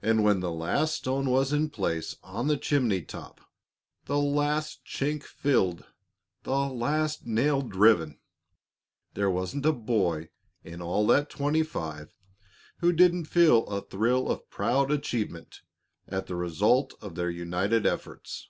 And when the last stone was in place on the chimney top, the last chink filled, the last nail driven, there wasn't a boy in all that twenty five who didn't feel a thrill of proud achievement at the result of their united efforts.